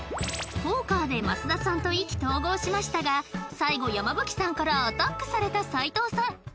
ポーカーで益田さんと意気投合しましたが最後山吹さんからアタックされた斉藤さん